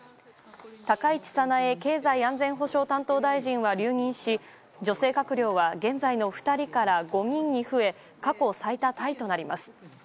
高市早苗経済安全保障担当大臣は留任し、女性閣僚は現在の２人から５人に増え、過去最多タイとなります。